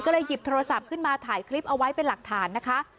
ก็เลยหยิบโทรศัพท์ขึ้นมาถ่ายคลิปเอาไว้เป็นหลักฐานนะคะ